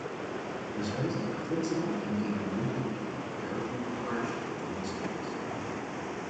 The spaces are flexible and can be re-configured, encouraging collaboration between students.